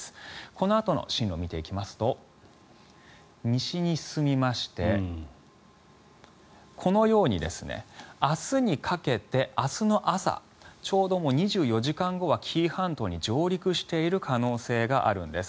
このあとの進路を見ていきますと西に進みましてこのように明日にかけて明日の朝ちょうど２４時間後は紀伊半島に上陸している可能性があるんです。